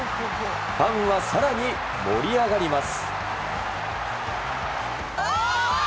ファンは更に盛り上がります。